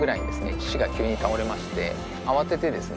父が急に倒れまして慌ててですね